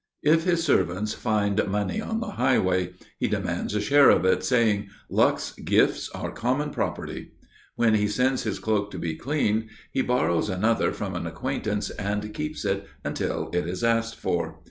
If his servants find money on the highway, he demands a share of it, saying: "Luck's gifts are common property." When he sends his cloak to be cleaned, he borrows another from an acquaintance and keeps it until it is asked for.